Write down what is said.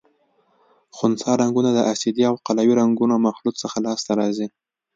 خنثی رنګونه د اسیدي او قلوي رنګونو مخلوط څخه لاس ته راځي.